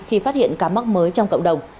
khi phát hiện ca mắc mới trong cộng đồng